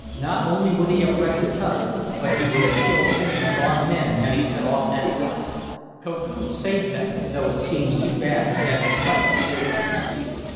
Not only would he have wrecked the tunnel, but he would have killed many of our men had he set off that blast. Koku saved them, though it seems too bad he had to fight to do it."